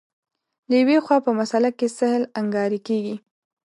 له یوې خوا په مسأله کې سهل انګاري کېږي.